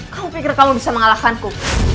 kamu pikir kamu bisa mengalahkanku